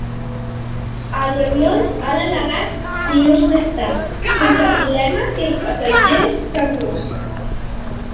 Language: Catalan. Els avions han aterrat minuts més tard sense problemes i els passatgers, segurs.